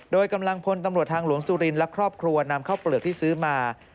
โดยกำลังพลตำรวจทางหลวงสุรินและครอบครัวนำข้าวเปลือกที่ซื้อมา